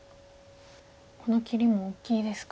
この切りも大きいですか。